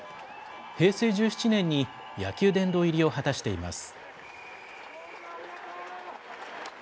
平成１７年に野球殿堂入りを果たしています。